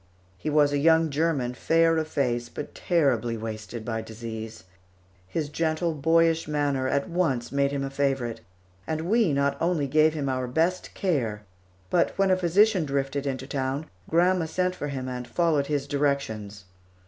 He was a young German, fair of face, but terribly wasted by disease. His gentle, boyish manner at once made him a favorite, and we not only gave him our best care, but when a physician drifted into town, grandma sent for him and followed his directions.